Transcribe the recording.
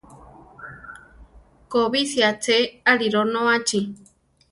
Kobísi aché aʼli, ronóachi.